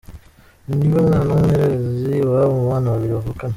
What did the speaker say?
Ni we mwana w’umuhererezi iwabo mu bana babiri bavukana.